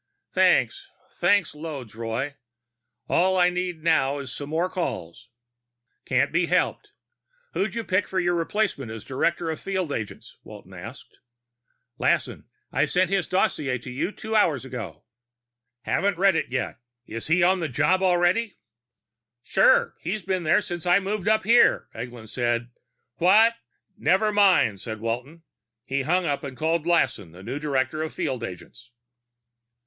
"Thanks. Thanks loads, Roy. All I need now is some more calls." "Can't be helped. Who'd you pick for your replacement as director of field agents?" Walton asked. "Lassen. I sent his dossier to you hours ago." "Haven't read it yet. Is he on the job already?" "Sure. He's been there since I moved up here," Eglin said. "What " "Never mind," said Walton. He hung up and called Lassen, the new director of field agents.